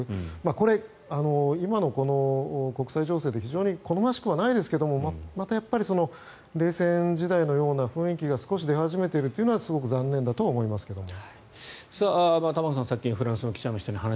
これ、今の国際情勢って非常に好ましくはないですがまた冷戦時代のような雰囲気が少し出始めているのはすごく残念だとは思いますけども。